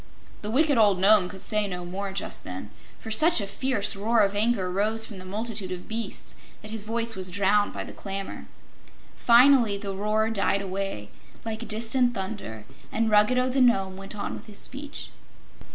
'" The wicked old Nome could say no more, just then, for such a fierce roar of anger rose from the multitude of beasts that his voice was drowned by the clamor. Finally the roar died away, like distant thunder, and Ruggedo the Nome went on with his speech.